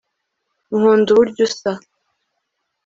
nkunda uburyo usa